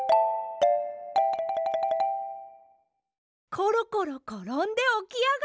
コロコロころんでおきあがる！